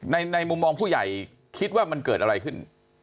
ในมุมมองผู้ใหญ่คิดว่ามันเกิดอะไรขึ้น